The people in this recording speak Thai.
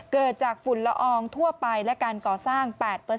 เกิดจากฝุ่นละอองทั่วไปและการก่อสร้าง๘